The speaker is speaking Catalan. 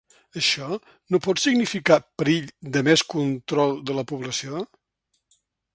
Això no pot significar perill de més control de la població?